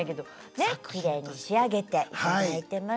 ねっきれいに仕上げていただいてます。